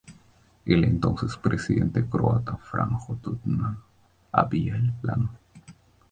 El entonces presidente croata Franjo Tuđman había el plan.